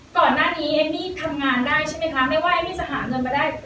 ก่อนหน้านี้เอมมี่ทำงานได้ใช่ไหมคะไม่ว่าเอมมี่จะหาเงินมาได้